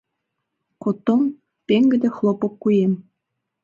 Коттон — пеҥгыде хлопок куэм.